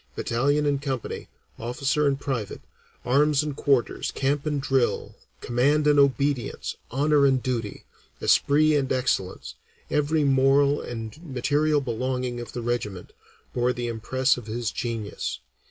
Battalion and company, officer and private, arms and quarters, camp and drill, command and obedience, honor and duty, esprit and excellence, every moral and material belonging of the regiment, bore the impress of his genius.